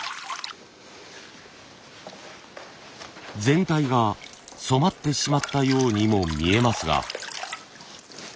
全体が染まってしまったようにも見えますが。